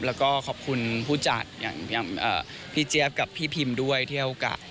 แล้วก็ขอบคุณผู้จัดอย่างพี่เจี๊ยบกับพี่พิมด้วยที่ให้โอกาส